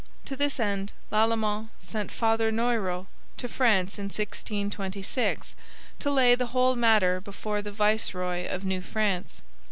To this end Lalemant sent Father Noyrot to France in 1626, to lay the whole matter before the viceroy of New France.